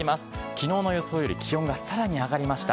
昨日の予想より気温がさらに上がりました。